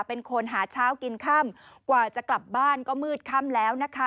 เป็นคนหาเช้ากินค่ำกว่าจะกลับบ้านก็มืดค่ำแล้วนะคะ